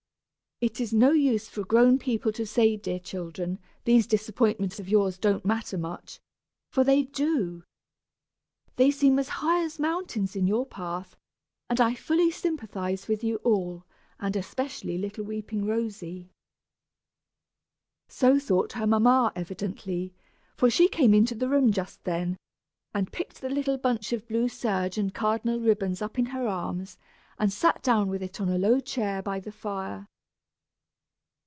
It is no use for grown people to say, dear children, these disappointments of yours don't matter much, for they do. They seem as high as mountains in your path, and I fully sympathize with you all, and especially with little weeping Rosy. So thought her mamma, evidently, for she came into the room just then, and picked the little bunch of blue serge and cardinal ribbons up in her arms, and sat down with it in a low chair by the fire.